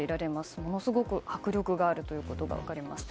ものすごく迫力があるということが分かります。